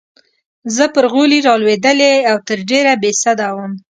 زه پر غولي رالوېدلې او تر ډېره بې سده وم.